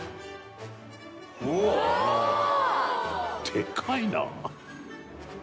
「でかいな」